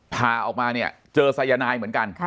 พาออกมาเนี่ยเจอสายนายเหมือนกัน